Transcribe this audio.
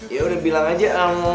ya udah bilang aja